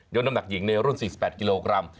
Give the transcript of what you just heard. น้ำหนักหญิงในรุ่น๔๘กิโลกรัม